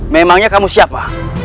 memangnya kamu siapa